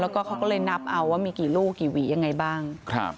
แล้วก็เขาก็เลยนับเอาว่ามีกี่ลูกกี่หวียังไงบ้าง